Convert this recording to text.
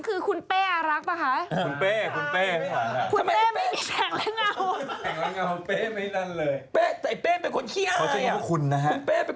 เขาจัยไม่ใช่คุณนะครับ